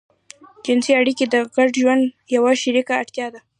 جنسي اړيکې د ګډ ژوند يوه شريکه اړتيا ده.